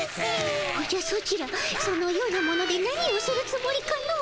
おじゃソチらそのようなもので何をするつもりかの？